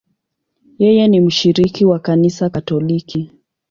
Yeye ni mshiriki wa Kanisa Katoliki.